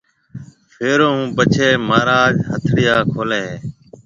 ڦيرون ھون پڇيَ مھاراج ھٿيڙيا کوليَ ھيََََ